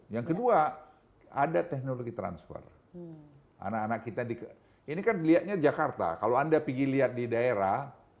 yang kedua ada teknologi transfer anak anak kita di ini kan lihatnya jakarta kalau anda pergi lihat di daerah